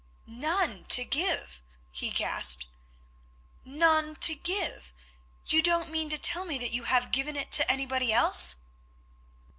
"None to give!" he gasped, "none to give! You don't mean to tell me that you have given it to anybody else?"